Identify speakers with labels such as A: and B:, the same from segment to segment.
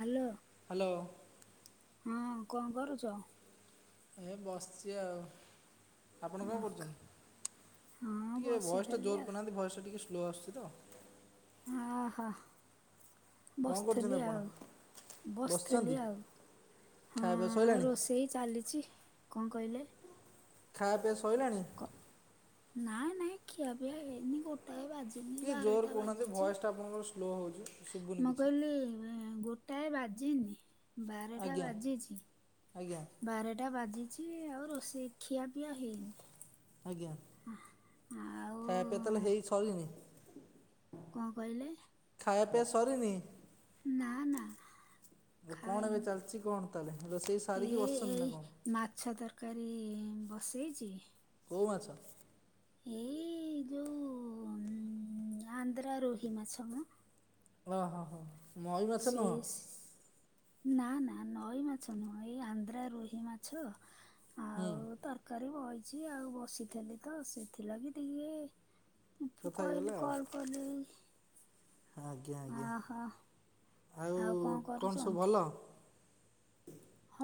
A: Hello
B: hello.
A: ହଁ କଣ କରୁଚ?
B: ମୁଁ ଏ ବସିଚି ଆଉ। ଆପଣ କଣ
A: ହଁ
B: କରୁଚନ୍ତି
A: ହଁ
B: ଟିକେ ଭଏସ୍ ଟା
A: ବସିଥିଲି
B: ଜୋର
A: ଆଉ
B: କରୁନାହାନ୍ତି ଭଏସ୍ ଟା ଟିକେ ଶୁ ସ୍ଲୋ ଆସୁଚି ତ।
A: ଅ ହ।
B: କଣ କରୁଛନ୍ତି
A: ବସିଥିଲି
B: ଆପଣ
A: ଆଉ ବସିଥେଲି
B: ବସିଛନ୍ତି?
A: ଆଉ ହଁ
B: ଖାଇବା ପିଇବା ସଇଲାଣି
A: ରୋଷେଇ ଚାଲିଚି କଣ କହିଲେ?
B: ଖା ପିଆ ସଇଲାଣି?
A: କ ନାଇଁ ନାଇଁ ଖିଆପିଆ ହେଇନି ଗୋଟେ
B: ଟିକେ ଜୋର କହୁନାହାନ୍ତି ଭଏସ୍ ଟା ଆପଣଙ୍କର ସ୍ଲୋ ହଉଚି ଶୁଭୁନି କିଛି।
A: ଏଁ ଗୋଟାଏ ବାଜିନି ବାରଟା
B: ଆଜ୍ଞା
A: ବାଜିଚି
B: ଆଜ୍ଞା
A: ବାରଟା ବାଜି ଚି ଆଉ ରୋଷେଇ ଖିଆ ପିଆ ହେଇନି।
B: ଆଜ୍ଞା
A: ଆଉ
B: ଖାଇ ପିଇବା ତାହେଲେ ହେଇ ସରିନି?
A: କଣ କହିଲେ?
B: ଖାଇବା ପିଇବା ସରିନି?
A: ନା ନା।
B: କଣ ଏବେ
A: ଖାଇନୁ
B: ଚାଲିଛି କଣ ତାହେଲେ ରୋଷେଇ
A: ଏ
B: ସାରିକି ବସିଛନ୍ତି
A: ଏଇ
B: ନା କଣ?
A: ମାଛ ତର୍ ତରକାରୀ ବସେଇଚି।
B: କଉ ମାଛ?
A: ଏଇ ଯୋଉ ଆନ୍ଧ୍ର ରୋହି ମାଛ ମ।
B: ଓହୋ ହୋ ନଈ ମାଛ ନୁହଁ?
A: ସେଇ ନା ନା ନଈ ମାଛ ନୁହଁ ଏଇ ଆନ୍ଧ୍ରା ରୋହି ମାଛ।
B: ହୁଁ
A: ଆଉ ତରକାରୀ ବଇଚି ଆଉ ବସିଥିଲି ତ ସେଥିଲାଗି ଟିକେ
B: କଥା ହେଇଗଲା
A: କହିଲି
B: ଆଉ
A: କଲ୍ କଲି।
B: ଆଜ୍ଞା ଆଜ୍ଞା
A: ଓହୋ ଆଉ କଣ
B: ସବୁ
A: କରୁଚନ୍ତି?
B: ଭଲ?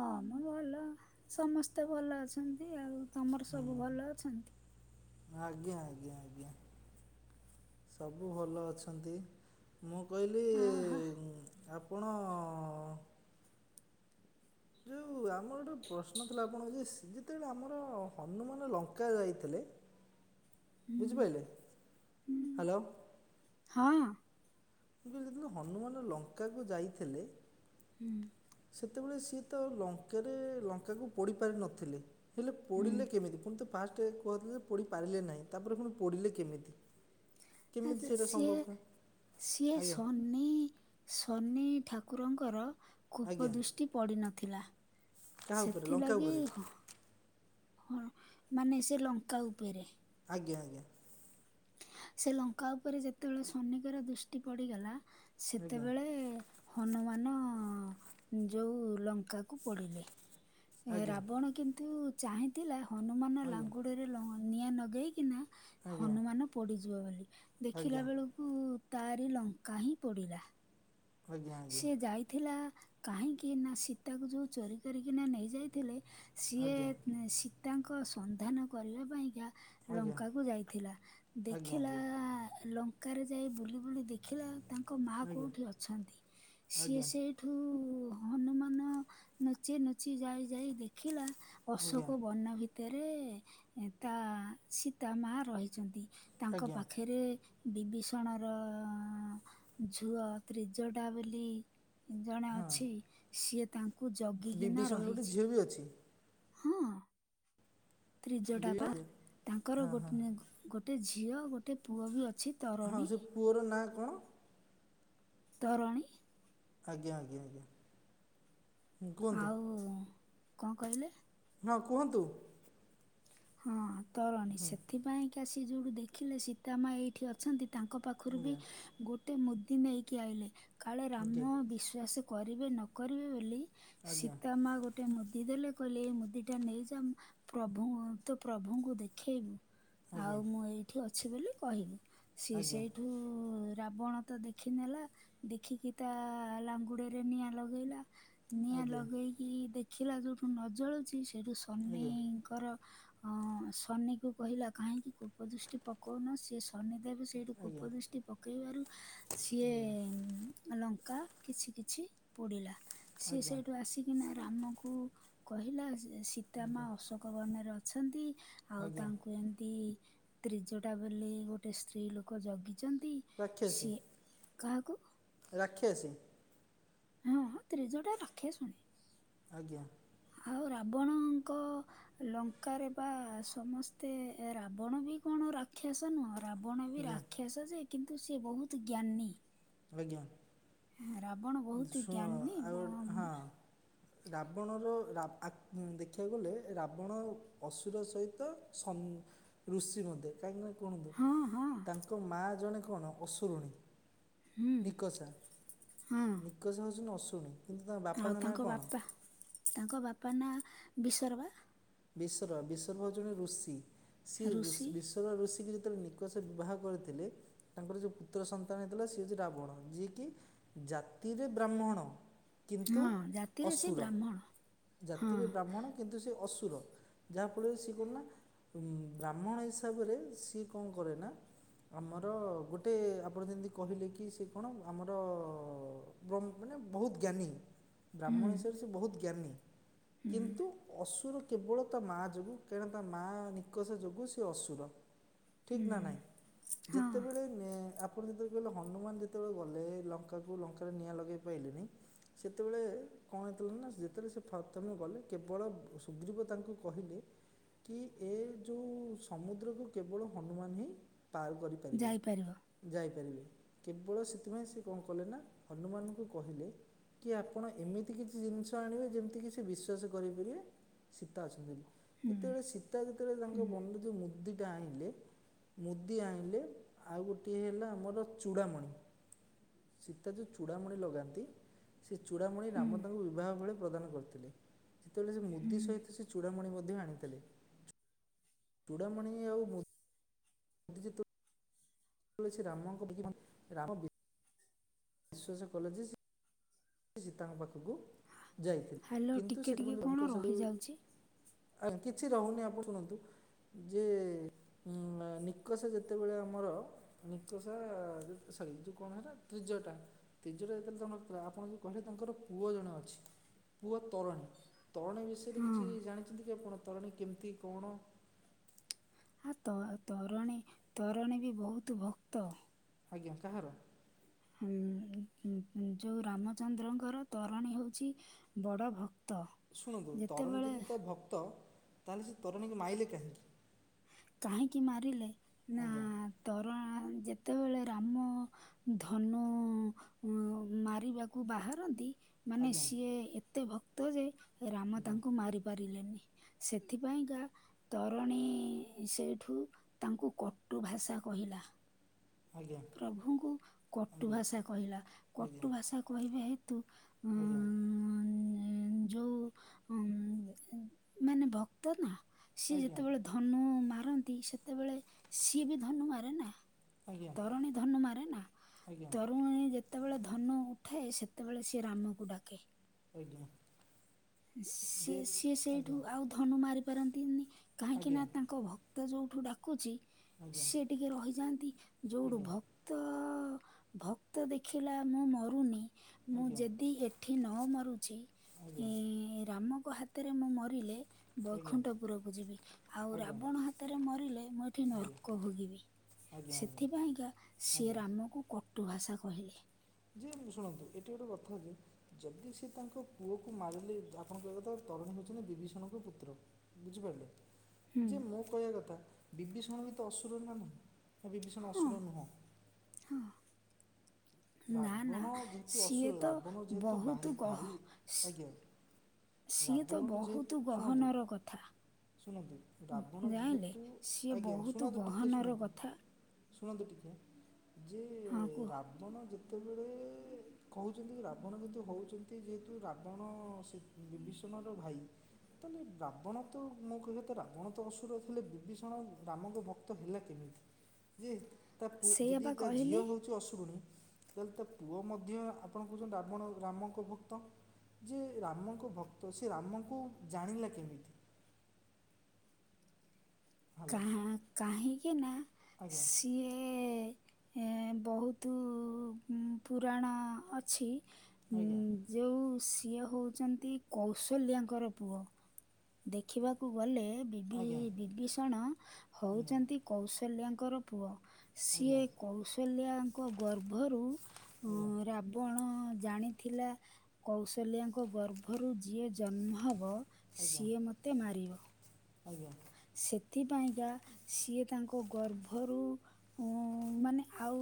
A: ହଁ ମ ଭଲ ସମସ୍ତେ ଭଲ ଅଛନ୍ତି ଆଉ। ତମର
B: ହଁ
A: ସବୁ ଭଲ ଅଛନ୍ତି?
B: ଆଜ୍ଞା ଆଜ୍ଞା ଆଜ୍ଞା ସବୁ ଭଲ ଅଛନ୍ତି। ମୁଁ କହିଲି
A: ଅହ
B: ଆପଣ ଯଉ ଆମର ଗୋଟେ ପ୍ରଶ୍ନ ଥିଲା ଆପଣଙ୍କୁ ଯେ ସେ ଯେତେବେଳେ ଆମର ହନୁମାନ ଲଙ୍କା ଯାଇଥିଲେ
A: ହୁଁ
B: ବୁଝିପାଇଲେ
A: ହୁଁ,
B: ହାଲୋ।
A: ହଁ।
B: ମୁଁ କହିଲି ଯେତେବେଳେ ହନୁମାନ ଲଙ୍କାକୁ ଯାଇଥିଲେ।
A: ହୁଁ।
B: ସେତେବେଳେ ସିଏ ତ ଲଙ୍କାରେ ଲଙ୍କାକୁ ପଡ଼ି ପାରିନଥିଲେ ହେଲେ
A: ହୁଁ।
B: ପଡ଼ିଲେ କେମିତି ପୁଣି ତ ଫାଷ୍ଟ୍ ରେ କୁହା ହୋଉଥିଲା ଯେ ପୋଡ଼ିପାରିଲେ ନାହିଁ ତାପରେ ପୁଣି ପୋଡ଼ିଲେ କେମିତି? କେମିତି
A: ଆସା
B: ସେଇଟା ସମ୍ଭବ
A: ସିଏ
B: ପୁଣି
A: ସିଏ
B: ଆଜ୍ଞା
A: ସନି ସନି ଠାକୁରଙ୍କର
B: ଆଜ୍ଞା
A: କୋପଦୃଷ୍ଟି ପଡ଼ିନଥିଲା।
B: କାହା ଉପରେ ଲଙ୍କା
A: ସେଥିଲାଗି
B: ଉପରେ
A: ହ। ହଁ ମାନେ ସେ ଲଙ୍କା ଉପରେ।
B: ଆଜ୍ଞା! ଆଜ୍ଞା!
A: ସେ ଲଙ୍କା ଉପରେ ଯେତେବେଳେ ସନିକର ଦୃଷ୍ଟି ପଡିଗଲା।
B: ଆଜ୍ଞା
A: ସେତେବେଳେ। ହନୁମାନ ଯଉ ଲଙ୍କାକୁ ପଡ଼ିଲେ।
B: ଆଜ୍ଞା
A: ରାବଣ କିନ୍ତୁ ଚାହିଁଥିଲା ହନୁମାନ ଲାଙ୍ଗୁଡରେ ଲ ନିଆଁ ନଗେଇକିନା
B: ଆଜ୍ଞା
A: ହନୁମାନ ପୋଡିଯିବ ବୋଲି ଦେଖିଲା
B: ଆଜ୍ଞା
A: ବେଳକୁ। ତାରି ଲଙ୍କା ହିଁ ପଡ଼ିଲା।
B: ଆଜ୍ଞା
A: ସେି ଯାଇଥିଲା କାହିଁକି ନା ସୀତାକୁ ଯୋଉ ଚୋରି କରିକିନା ନେଇ ଯାଇଥିଲେ।
B: ଆଜ୍ଞା
A: ସିଏ
B: ଆଜ୍ଞା
A: ସୀତାଙ୍କ ସନ୍ଧାନ କରିବା ପାଇଁକା।
B: ଆଜ୍ଞା
A: ଲଙ୍କାକୁ ଯାଇଥିଲା
B: ଆଜ୍ଞା ଆଜ୍ଞା
A: ଦେଖିଲା ଲ ଆକାରେ ଯାଇ ବୁଲି ବୁଲି ଦେଖିଲା ତାଙ୍କ ମାଆ
B: ଆଜ୍ଞା
A: କୋଉଠି ଅଛନ୍ତି?
B: ଆଜ୍ଞା
A: ସିଏ
B: ଆଜ୍ଞା
A: ସେଇଠୁ ହନୁମାନ ନୁଚି ନୁଚି ଯାଇ ଯାଇ ଦେଖିଲା।
B: ଆଜ୍ଞା
A: ଅଶୋକ ବର୍ଣ୍ଣ ଭିତରେ ତା ସୀତା ମା ରହିଛନ୍ତି। ତାଙ୍କ
B: ଆଜ୍ଞା ଆଜ୍ଞା
A: ପାଖରେ ବିଭୀଷଣ ର ଝୁଅ ତ୍ରିଜ ପଟା ବୋଲି ଜଣେ
B: ହଁ
A: ଅଛି ସିଏ। କୁ
B: ବିବି
A: ଜଗିକିନା
B: ସାମନାରେ ଗୋଟେ
A: ରହିଛି।
B: ଝିଅ ବି ଅଛି
A: ହଁ! ତ୍ରିଜ
B: ବିବି
A: ଡାବା ତାଙ୍କର ଗୋ ଗୋଟେ ଝିଅ ଗୋଟେ ପୁଅ ବି ଅ
B: ହଁ ସେ ପୁଅର ନାଁ କଣ?
A: ତରଣୀ।
B: ଆଜ୍ଞା! ଆଜ୍ଞା! ଆଜ୍ଞା! କୁହନ୍ତୁ
A: ଆଉ କଣ କହିଲେ?
B: ହଁ କୁହନ୍ତୁ।
A: ହଁ ତରଣୀ ସେଥିପାଇଁ କି ସ ଯୋଉଠୁ ଦେଖିଲେ ସୀତାମା ଏଇଠି ଅଛନ୍ତି। ତାଙ୍କ ପାଖରୁ ବି
B: ଆଜ୍ଞା
A: ଗୋଟେ ମୁଦି ନେଇକି ଆଇଲେ କାଳେ ରାମ ବିଶ୍ଵାସ କରିବେ ନ କରିବେ ବୋଲି
B: ଆଜ୍ଞା
A: ସୀତା ମା ଗୋଟେ ମୁ- ଇ ଦେଲେ କହିଲେ ଏଇ ମୁଦିଟା ନେଇଯା ପ୍ରଭୁ-ତୋ ପ୍ରଭୁଙ୍କୁ ଦେଖେଇବୁ
B: ଆଜ୍ଞା ଆଜ୍ଞା
A: ଆଉ ମୁଁ ଏଇଠି ଅଛି ବୋଲି କହିବୁ ସିଏ
B: ଆଜ୍ଞା
A: ସେଇଠୁ ରାବଣ ତ ଦେଖିନେଲା ଦେଖିକି ତା ଲାଙ୍ଗୁଡ଼ରେ ନିଆଁ ଲଗେଇଲା। ନିଆଁ
B: ଆଜ୍ଞା
A: ଲଗେଇକି ଦେଖିଲା ଯୋଉଠୁ ନ ଜଳୁଛି ସେଠୁ
B: ଆଜ୍ଞା
A: ସନିଙ୍କର ହଁ ହଁ ସନି କୁ କହିଲା କାହିଁକି କୋପ ଦୃଷ୍ଟି ପକଉନ ସିଏ ସନି ଦେବ ସେଇଠୁ କୋପ
B: ଆଜ୍ଞା
A: ଦୃଷ୍ଟି ପକେଇବାରୁ ସିଏ ଙ୍କା କିଛି କିଛି ପୋଡିଲା
B: ଆଜ୍ଞା
A: ସିଏ ସେଇଠୁ ଆସିକିନା ରାମଙ୍କୁ କହିଲା ଯେ ସୀତାମା
B: ଆଜ୍ଞା
A: ଅଶୋକ ବନେରେ ଅଛନ୍ତି ଆଉ
B: ଆଜ୍ଞା ଆଜ୍ଞା
A: ତାଙ୍କୁ ଏମିତି ତ୍ରିଜଟା ବୋଲି ଗୋଟେ ସ୍ତ୍ରୀ ଲୋକ ଜଗି ଛନ୍ତି ସିଏ କାହାକୁ
B: ରାକ୍ଷେସୀ
A: ହଁ ହଁ ତ୍ରିଜୋଟା ଆକ୍ଷେସୁଣି
B: ଆଜ୍ଞା।
A: ଆଉ ରାବଣଙ୍କ ଲଙ୍କାରେ ବା ସମସ୍ତେ ରାବଣ ବି କ ଣ ରାକ୍ଷାସ ନୁହଁ ରାବଣ ବି
B: ଆଜ୍ଞା
A: ରାକ୍ଷସ ଯେ କିନ୍ତୁ ସେ ବହୁତ ଜ୍ଞାନୀ। ରାବଣ ବହୁତ
B: ଆଜ୍ଞା--ଶୁଣ
A: ଜ୍ଞାନୀ
B: ଆଉ ହଁ। ରାବଣର ରାବ୍ ଆକ୍ ଦେଖିବାକୁ ଗଲେ ରାବଣ ଅସୁର ସହିତ ସ ର ଋଷି ମଦେ କହିଁକି ନା କୁହନ୍ତୁ
A: ହଁ ହଁ
B: ତାଙ୍କ ମା ଜଣେ କଣ ଅସୁରୁଣୀ।
A: ହୁଁ
B: ନିକସା
A: ହଁ
B: ନିକସ ହେଉଛନ୍ତି ଅଶୁଣୀ।
A: ଆଉ ତାଙ୍କ ବାପା ତାଙ୍କ ବାପା ନାଁ ବିସର୍ବା
B: ବିସର୍ବା ବିସର୍ବା ହଉଚି ଜଣେ ଋଷି ସିଏ ଋଷି -ସିଏ ବିସର୍ବା ଋଷି ଗିଳି ଯେତେ ନିକସ ବିବାହ କରିଥିଲେ ତାଙ୍କର ଯୋଉ ପୁତ୍ର ସନ୍ତାନ ହେଇଥିଲା ସିଏ ହଉଛି ରାବଣ ଯିଏକି- ଜାତିରେ ବ୍ରାହ୍ମଣ କିନ୍ତୁ
A: ହଁ ଜାତିରେ ସେ
B: ଅସୁର
A: ବ୍ରାହ୍ମଣ ହଁ
B: ଜାତିରେ ବ୍ରାହ୍ମଣ କିନ୍ତୁ ସେ ଅସୁ ଯାହାଫଳରେ ସିଏ କୁନା ବ୍ରାହ୍ମଣ ହିସାବରେ ସିଏ କଣ କରେ ନା। ଆମର ଗୋଟେ ଆପଣ ଯେମିତି କହିଲେ କି ସେ କଣ ଆମର ବ୍ର ମାନେ ବହୁତ ଜ୍ଞାନୀ
A: ହୁଁ
B: ବ୍ରାହ୍ମଣ ସେ ସେ ବହୁତ ଜ୍ଞାନୀ
A: ହୁଁ
B: କିନ୍ତୁ ଅସୁର କେବଳ ତା ମାଆ ଯୋଗୁଁ କାହିଁକନା ତା ମାଆ ନିକଷ ଯୋଗୁଁ ସେ ଅସୁର। ଠିକ
A: ହୁଁ
B: ନା ନାଇଁ
A: ହଁ
B: ଯେତେବେଳେ ନେ ଆପ ଆପଣ ଯେତେବେଳେ ହନୁମାନ ଯେତେବେଳେ ଗଲେ ଲଙ୍କାକୁ ଲଙ୍କାରେ ନିଆଁ ଲଗେଇ ପାଇଲେନି। ସେତେବେଳେ କଣ ହେଇଥିଲା ନା ଯେତେବେଳେ ସେ ପ୍ରଥମେ ଗଲେ କେବଳ ସୁଗ୍ରୀବ ତାଙ୍କୁ କହିଲେ କି ଏ ଯୋଉଁ ସମୁଦ୍ରକୁ କେବଳ ହନୁମାନ ହିଁ ପାର କରିପାରିବେ
A: ଯାଇପାରିବ
B: ଯାଇପାରିବେ। କେବଳ ସେଥିପାଇଁ ସେ କଣ କଲେ ନା ହନୁମାନଙ୍କୁ କହିଲେ କି ଆପଣ ଏମିତି କିଛି ଜିନିଷ ଆଣିବେ ଯେମିତି କିି ସେ ବିଶ୍ୱାସ କରିପାରିବେ ସୀତା ଅଛନ୍ତି ବୋଲି
A: ହୁଁ
B: ଯେତେବେଳେ ସୀତା ଯେତେବେଳେ ତାଙ୍କ
A: ହୁଁ
B: ବନରେ ଯେଉଁ ମୁଦିଟା ଆଣିଲେ ମୁଦି ଆଣିଲେ ଆଉ ଗୋଟିଏ ହେଲା ଆମର ଚୂଡ଼ାମଣି ସୀତା ଯେଉଁ ଚୂଡ଼ାମଣି ଲଗାନ୍ତି। ସେ ଚୂଡ଼ାମଣି
A: ହୁଁ
B: ରାମ ତାଙ୍କୁ ବିବାହ ବେଳେ ପ୍ରଦାନ କରିଥିଲେ ଯେତେବେଳେ ସେ ମୁଦି
A: ହୁଁ
B: ସହିତ ସେ ଚୂଡ଼ାମଣି ମ ମଧ୍ୟ ଆଣିଥିଲେ ଚୁ ଚୁଡ଼ାମଣି ଆଉ ମୁ ଯେହେତୁ ସେ ରାମଙ୍କ [inaudible] ବିଶ୍ୱାସ କଲେ ଯେ ସେ ସୀତାଙ୍କ ପାଖେ କୁଯାଇଥିଲେ
A: ହାଲୋ
B: କିନ୍ତୁ
A: ଟିକେ
B: ସେ
A: ଟିକେ କଣ
B: [unintelligible]
A: ରହିଯାଉଛି
B: ଆଜ୍ଞା କିଛି ରହୁନି ଆପଣ ଶୁଣନ୍ତୁ। ଯେ ଉ ନିକସା ଯେତେବେଳେ ଆମର ନିକସା ସେଇ ଯୋଉ କଣ ହେଲା ତ୍ରିଜଟା ତ୍ରିଜଟା ଯେତେଥିଲା ଆପଣ ଯୋଉ କହେ ତାଙ୍କର ପୁଅ ଜଣେ ଅଛି ପୁଅ ତରଣୀ ତରଣୀ ବିଷୟରେ
A: ହଁ
B: କିଛି ଜାଣିଛନ୍ତି କି? କିଏ ଆପଣ ତରଣୀ କେମିତି କଣ?
A: ଆ ତ ତରଣୀ ତରଣୀ ବି ବହୁତ ଭକ୍ତ।
B: ଆଜ୍ଞା କାହାର?
A: ଉ ଊ ଯୋଉ ରାମଚନ୍ଦ୍ରଙ୍କର ତରଣୀ ହେଉଛି ବଡ଼ ଭ
B: ଶୁଣନ୍ତୁ ତରଣୀ ଯଦି ତା ଭକ୍ତ ତାହେଲେ ସେ ତରଣୀ କି ମାଇଲେ କାହିଁକି?
A: କାହିଁକି ମାରିଲେ ନା
B: ଆଜ୍ଞା
A: ତର ଣୀ ଯେତେବେଳେ ରାମ ଧନୁ ଉ ଊ ମାରିବାକୁ ବାହାରନ୍ତି। ମାନେ
B: ଆଜ୍ଞା
A: ସିଏ ଏତେ ଭକ୍ତ ଯେ ରାମ
B: ଆଜ୍ଞା
A: ତାଙ୍କୁ ମାରି ପାରିଲେନି। ସେଥିପାଇଁକା ତରଣୀ ସେଇଠୁ ତାଙ୍କୁ କଟୁ ଭାଷା କହିଲା।
B: ଆଜ୍ଞା
A: ପ୍ରଭୁଙ୍କୁ କଟୁ
B: ଆଜ୍ଞା
A: ଭାଷା କହିଲା
B: ଆଜ୍ଞା
A: କଟୁ ଭାଷା କହିବା ହେ
B: ଆଜ୍ଞା।
A: ଯୋଉ ଉମ ମାନେ ଭକ୍ତ ନା। ସିଏ
B: ଆଜ୍ଞା
A: ଯେତେବେଳେ ଧନୁ ମାରନ୍ତି ସେତେବେଳେ ସିଏ ବି ଧନୁ ମାରେ ନା।
B: ଆଜ୍ଞା
A: ତରୁଣୀ ଧନୁ ମାରେ ନା
B: ଆଜ୍ଞା
A: ତରୁଣୀ ଯେତେ ଯେତେବେଳେ ଧନୁ ଉଠାଏ ସେତେବେଳେ ସିଏ ରାମକୁ ଡାକେ।
B: ଆଜ୍ଞା।
A: ସେ
B: ଯେ
A: ସିଏ ସେଇଠୁ
B: ଆଜ୍ଞା
A: ଆଉ ଧନୁ ମାରି ପାରନ୍ତିନି କାହିଁକି
B: ଆଜ୍ଞା
A: ନା ତାଙ୍କ ଭ ଭକ୍ତ ଯୋଉଠୁ ଡାକୁଛି
B: ଆଜ୍ଞା
A: ସି ଟିକେ ରହିଯାଆନ୍ତି ଯୋଉଠୁ
B: ଆଜ୍ଞା
A: ଭକ୍ତ ଭକ୍ତ ଦେଖିଲା ମୁଁ ମରୁନି ମୁଁ
B: ଆଜ୍ଞା
A: ଯଦି ଏଠି ନ ମରୁଛି
B: ଆଜ୍ଞା ଆଜ୍ଞା
A: ଏ ରାମଙ୍କ ହାତରେ ମୁଁ ମରିଲେ
B: ଆଜ୍ଞା
A: ବୈକୁଣ୍ଠପୁରକୁ ଯିବି ଆଉ
B: ଆଜ୍ଞା
A: ରାବଣ ହାତରେ ମରିଲେ ମୁଁ ଏଠି
B: ଆଜ୍ଞା
A: ନର୍କ ଭୋଗିବି।
B: ଆଜ୍ଞା
A: ସେଥିପାଇଁକା ସିଏ
B: ଆଜ୍ଞା
A: ରାମକୁ କଟୁ ଭାଷା କହିଲେ।
B: ଯେ ଶୁଣନ୍ତୁ ଏଠି ଗୋଟେ କଥା ଯେ ଯଦି ସେ ତାଙ୍କ ପୁଅକୁ ମାରିଲେ ଆପଣଙ୍କ କହିଆ କଥା ତରୁଣ ହେଉଛନ୍ତି ଯେ ବିଭୀଷଣଙ୍କ ପୁତ୍ର ବୁଝିପାରିଲେ?
A: ହୁଁ
B: ଯେ ମୋ କହିବା କଥା ବିଭୀଷଣ ବି ତ ଅସୁରରେ ନା ନାହିଁ? ବା ବିଭୀଷଣ
A: ହଁ
B: ଅସୁର ନୁହଁ?
A: ହଁ ନା ନା
B: ରାବଣ ଯେହେତୁ
A: ସିଏ
B: ଅସୁର
A: ତ
B: ରାବଣ ଯେହେତୁ
A: ବହୁତ
B: ଭାଇ
A: ଗହ
B: ଭାଇ ଆଜ୍ଞା
A: [inaudible] ସିଏ ତ
B: ରାବଣରୁ ଯେହେତୁ
A: ବହୁତ
B: ଶୁଣନ୍ତୁ
A: ଗହନର କଥା।
B: ଶୁଣନ୍ତୁ ରାବଣ
A: ଜାଣିଲେ
B: ଯେହେତୁ
A: ସିଏ
B: ଆଜ୍ଞା
A: ବହୁତ
B: ଶୁଣନ୍ତୁ ଟିକିଏ
A: ଗହନର
B: ଶୁଣନ୍ତୁ।
A: କଥା
B: ଶୁଣନ୍ତୁ ଟିକେ ଯେ
A: ହଁ କୁହ
B: ରାବଣ ଯେତେବେଳେ କହୁଛନ୍ତି ରାବଣ ଯେହେତୁ ହଉଛନ୍ତି ଯେହେତୁ ରାବଣ ସେ ବିଶ୍ୱନାଥ ଭାଇ। ତାହେଲେ ରାବଣ ତ ମୁଁ କହିବା ତ ରାବଣ ତ ଅସୁର ଥିଲେ ବିଭୀଷଣ ରାମଙ୍କ ଭକ୍ତ ହେଲା କେମିତି? ଯେ ତା ପୁଅ
A: ସେଇଆ
B: ଯଦି
A: ବା
B: ତା ଝିଅ
A: କହିଲି
B: ହଉଛି ଅଶୁରୁଣୀ। ଯଦି ତା ପୁଅ ମଧ୍ୟ ଆପଣ କହୁଛନ୍ତି ରାବଣ ରାମଙ୍କ ଭକ୍ତ। ଯେ ରାମଙ୍କ ଭକ୍ତ ସେ ରାମକୁ ଜାଣିଲା କେମିତି? [inaudible]
A: କା
B: ହ୍ୟାଲୋ
A: କାହିଁକି ନା
B: ଆଜ୍ଞା
A: ସିଏ ଏ ବହୁତ ପୁରାଣ ଅଛି।
B: ଆଜ୍ଞା
A: ଯେଉଁ ସିଏ ସିଏ ହଉଛନ୍ତି କୌଶଲ୍ୟାଙ୍କର ପୁଅ ଦେଖିବାକୁ ଗଲେ ବିଭି
B: ଆଜ୍ଞା
A: ବିଭୀଷଣ
B: ଆଜ୍ଞା
A: ହଉଛନ୍ତି କୌଶଲ୍ୟାଙ୍କର ପୁଅ। ସିଏ
B: ଆଜ୍ଞା
A: କୌଶଲ୍ୟାଙ୍କ ଗର୍ଭରୁ
B: ଆଜ୍ଞା
A: ରାବଣ ଜାଣିଥିଲା କୌଶଲ୍ୟାଙ୍କ ଗର୍ଭରୁ ଯିଏ ଜନ୍ମ ହେବ ସିଏ ମତେ ମାରିବ।
B: ହଁ
A: ସେଥିପାଇଁକା ସିଏ ତାଙ୍କ ଗର୍ଭରୁ ମାନେ ଆଉ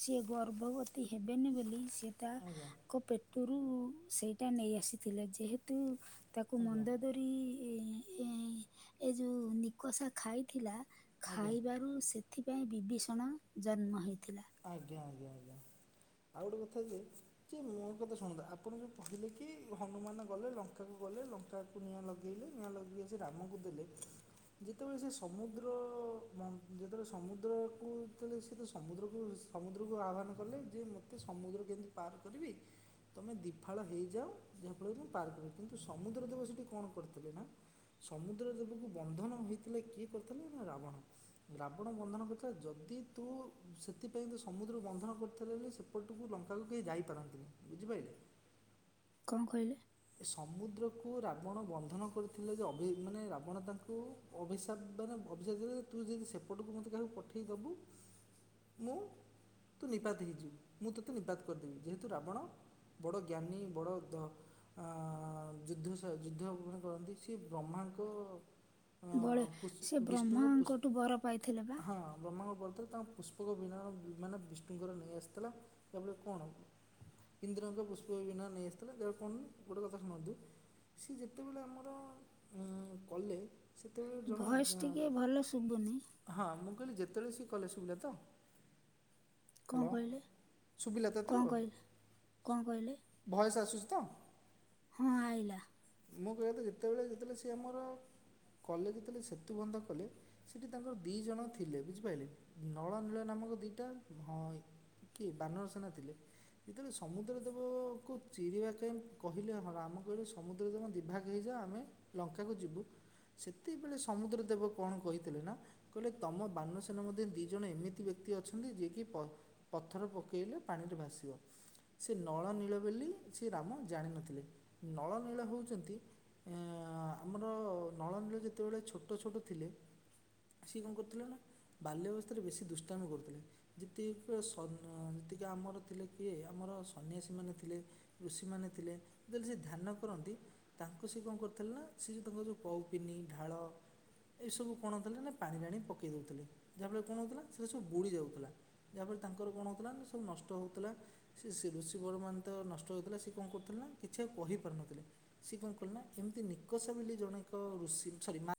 A: ସିଏ ଗର୍ଭବତୀ ହେବେନି ବୋଲି ସେ ତା
B: ଆଜ୍ଞା
A: କ୍ ପେଟରୁ ସେଇଟା ନେଇ ଆସିଥିଲା ଯେହେତୁ ତାକୁ
B: ଆଜ୍ଞା
A: ମନ୍ଦଧରି ଏ ଯୋଉ ନିକସା ଖାଇଥିଲା
B: ଆଜ୍ଞା
A: ଖାଇବାରୁ ସେ ଏଥିପାଇଁ ବିଭୀଷଣ ଜନ୍ମ ହୋଇଥିଲେ।
B: ଆଜ୍ଞା ଆଜ୍ଞା ଆଜ୍ଞା। ଆଉ ଗୋଟେ କଥା ଯେ ଯେ ମୋ କଥା ଶୁଣନ୍ତୁ ଆପଣ ଯୋଉ କହିଲେ କି ହନୁମାନ ଗଲେ ଲଙ୍କାକୁ ଗଲେ କଲେ ଲଙ୍କାକୁ ନିଆଁ ଲଗେଇଲେ ନିଆଁ ଲଗେଇ ଆସି ରାମକୁ ଦେଲେ। ଯେତେବେଳେ ସେ ସମୁଦ୍ର ଓ ଯେତେବେଳେ ସମୁଦ୍ର କୁ ସେ ତ ସମୁଦ୍ରକୁ ସମୁଦ୍ରକୁ ଆହ୍ୱବାନ କଲେ ଯେ ମୋତେ ସମୁଦ୍ର କେମିତି ପାର କରିବି ତମେ ଦିପାଳ ହେଇ ଯାଉ ଯାହାଫଳରେ କି ମୁଁ ପାର୍କରେ କିନ୍ତୁ ସମୁଦ୍ର ଦେବ ସେଇଠି କଣ କରିଥିଲେ ନା ସମୁଦ୍ର ଦେବକୁ ବନ୍ଧନ ହେଇଥିଲା କିଏ କରିଥିଲେ ନା ରାବଣ ରାବଣ ବନ୍ଧନ କରିଥିଲା ଯ ଯଦି ତୁ ସେଥିପାଇଁ ତ ସମୁଦ୍ରକୁ ବନ୍ଧନ କରିଥିଲେଳେ ସେପଟକୁ ଲଙ୍କାକୁ କେହି ଯାଇପାରନ୍ତିନି ବୁଝିପାରିଲେ।
A: କଣ କହିଲେ
B: ଏ ସମୁଦ୍ରକୁୁ ରାବଣ ବନ୍ଧନ କରିଥିଲେ ଯେ ଅଭି ମାନେ ରାବଣ ତାଙ୍କୁ ଅଭିଶାପ ମ ଅଭିଶାପ ତୁ ଯଦି ସେପଟକୁ ମୋତେ କାହାକୁ ପଠେଇ ଦେବୁ ମୁଁ [inaudible] ତୁ ନିପାତ ହେଇଯିବୁ ମୁଁ ତୋତେ ନିପାତ କରିଦେବି ଯେହେତୁ ରାବଣ ବଡ଼ ଜ୍ଞାନୀ ବଡ଼ ଧ ଆଃ ଯୁଦ୍ଧ ଯୁଦ୍ଧମାନେ କରନ୍ତି ସେ ବ୍ରହ୍ମାଙ୍କ
A: ବଳେ ସେ
B: ବିଷ୍ଣୁଙ୍କ ପୁଷ୍ପ
A: ବ୍ରହ୍ମାଙ୍କଠୁ ବର ପାଇଥିଲେ ବା
B: ମତରେ ତାଙ୍କ ପୁଷ୍ପକ ବିନା ବିମାନ ବିଷ୍ଣୁଙ୍କର ନେଇ ଆସିଥିଲା ଏହାପରେ କଣ ଇନ୍ଦ୍ରଙ୍କ ପୁଷ୍ପ ବିନା ନେଇ ଆସିଥିଲେ କଣ ଗୋଟେ କଥା ଶୁଣନ୍ତୁ ସିଏ ଯେତେବେଳେ ଆମର କଲେ - [inaudible] ସେତେବେଳେ ଜଣେ
A: ଭଏସ
B: ୟ,
A: ଟିକେ ଭଲ ଶୁଭୁନି
B: ହଁ ମୁ କହିଲି ଯେତେବେଳେ ସେ କଲେ ଶୁଣିଲ ତ
A: କଣ
B: ହ୍ୟାଲୋ
A: କହିଲେ
B: ସୁବିଲାତ
A: କଣ
B: ଏଥର,
A: କହିଲେ କଣ କହିଲେ
B: ଭଏସ ଆସୁଛି ତ୍
A: ହଁ ଆଇଲା।
B: ମୁଁ କହିବା କଥା ଯେତେବେଳେ ଯେତେବେଳେ ସିଏ ଆମର କଲେ ଯେତେବେଳେ ସେତୁ ବନ୍ଧ କଲେ ସେଠି ତାଙ୍କର ଦିଇ ଜଣ ଥିଲେ ବୁଝିପାରିଲେ ନଳ ନୀଳ ନାମକ ଆମ ଦିଟା ହଁ କି ବାନର ସେନା ଥିଲେ। ଯେତେବେଳେ ସମୁଦ୍ର ଦେବ-ଅ-ଅ-ଅକୁ ଚିରିବା ପାଇଁ କହିଲେ ହ ରାମ କହିଲେ ସମୁ ତମ ଦିଭାଗ ହେଇଯା ଆମେ ଲଙ୍କାକୁ ଯିବୁ ସେତେବେଳେ ସମୁଦ୍ର ଦେବ କଣ କହିଥିଲେ ନା କହିଲେ ତମ ବାନସନା ମଧ୍ୟ ଦି ଜଣ ଏମିତି ବ୍ୟକ୍ତି କ୍ତି ଅଛନ୍ତି ଯିଏ କି ପ ପଥର ପକେଇଲେ ପାଣିରେ ଭାସିବ। ସେ ନଳ ନୀଳ ବୋଲି ସେ ରାମ ଜାଣିନଥିଲେ। ନଳ ନୀଳ ହେଉଛନ୍ତି ଅ-ଅ-ଅ-ଅ ଆମର ନଳ ନୀଳ ଯେତେବେଳେ ଛୋଟ ଛୋଟ ଥିଲେ ସିଏ କଣ କରୁଥିଲେ ନା ବାଲ୍ୟ ବ୍ୟବସ୍ଥାରେ ବେଶୀ ଦୁଷ୍ଟାମି କରୁଥିଲେ ଯେତିକି ସ ଅ ଯେତିକି ଆମର ଥିଲେ କିଏ ଆମର ସନ୍ୟାସୀମାନେ ଥିଲେ, ଋଷିମାନେ ଥିଲେ ଯେତେବେଳେ ସେ ଧ୍ୟା କରନ୍ତି ତାଙ୍କୁ ସେ କଣ କରିୁଥିଲେ ନା ସେ ଯେଉଁ ତାଙ୍କ ଯ କୌପିନି, ଢାଳ ଏଇସବୁ କଣ ହେଉଥିଲା ନା ପାଣି ଟାଣି ପକେଇ ଦେଉଥିଲେ। ଯାହାଫଳରେ କଣ ହେଉଥିଲା ସେଇଟା ସବୁ ବୁଡ଼ି ଯାଉଥିଲା। ଯାହାଫଳରେ ତାଙ୍କର କଣ ହେଉଥିଲା ସବୁ ନଷ୍ଟ ହେଉଥିଲା। ସେ ସେ ଋଷି ବର ମାନେ ତ ନଷ୍ଟ ହେଉଥିଲା ସେ କଣ କରୁଥିଲା ନା କହିପାରୁ ନଥିଲେ ସିଏ କଣ କଲେ ନା ଏମିତି ନିକଷ ବୋଲି ଜଣେ ଏକ ଋଷି ସରି ମା